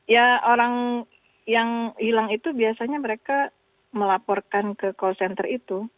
ya orang yang hilang itu biasanya mereka melaporkan ke call center itu